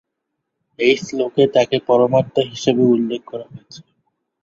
এই শ্লোকে তাকে পরমাত্মা হিসেবে উল্লেখ করা হয়েছে।